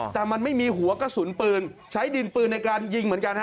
แต่มันไม่มีหัวกระสุนปืนใช้ดินปืนในการยิงเหมือนกันฮะ